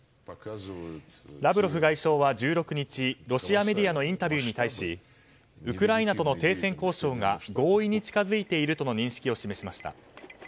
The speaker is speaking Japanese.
ロシアメディアのインタビューに対しウクライナとの停戦交渉が合意に近づいているとの認識を示しました。